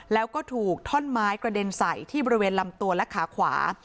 แล้วก็ถูกท่อนไม้กระเด็นใส่ที่บริเวณลำตัวและขาขวา